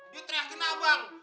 dia teriakin abang